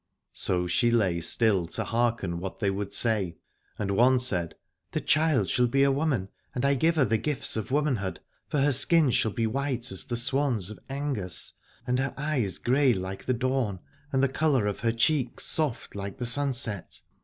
So she lay still to hearken what they would say. And one said: The child shall be a woman, and I give her the gifts of womanhood : for her skin shall be white as the swans of Aengus, and her eyes grey like the dawn, and the colour of her cheeks soft like the sunset.